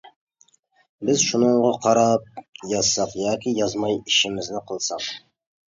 بىز شۇنىڭغا قاراپ يازساق ياكى يازماي ئىشىمىزنى قىلساق.